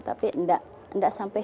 tapi nggak sampai